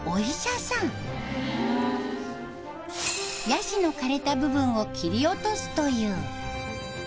ヤシの枯れた部分を切り落とすという。